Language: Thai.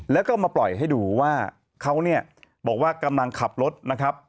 แล้วก็มาปล่อยให้ดูว่าเขาเนี่ยบอกว่ากำลังขับรถนะครับ